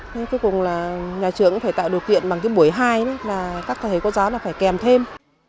thế cuối cùng là nhà trưởng phải tạo điều kiện bằng cái buổi hai các thầy cô giáo phải kèm thêm